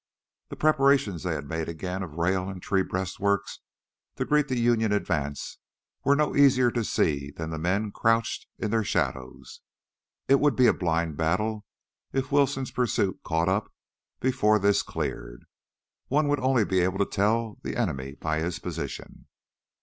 The preparations they had made again of rail and tree breastworks to greet the Union advance were no easier to see than the men crouched in their shadows. It would be a blind battle if Wilson's pursuit caught up before this cleared; one would only be able to tell the enemy by his position.